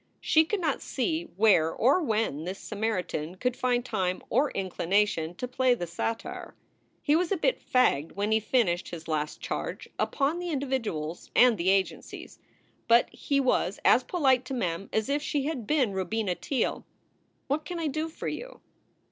She could not see where or when this Samaritan could find time or inclination to play the satyr. He was a bit fagged when he finished his last charge upon SOULS FOR SALE 193 the individuals and the agencies. But he was as polite to Mem as if she had been Robina Teele. "What can I do for you?"